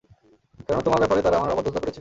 কেননা, তোমার ব্যাপারে তারা আমার অবাধ্যতা করেছে।